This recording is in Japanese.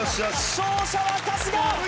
勝者は春日！